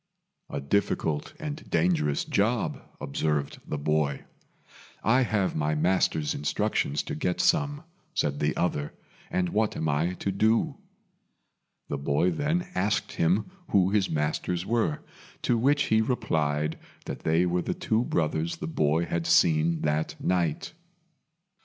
"A difficult and dangerous job," observed the boy. "I have my master's instructions to get some," said the other, "and what am I to do?" The boy then asked him who his masters were, to which he replied that they were the two brothers the boy had seen that night.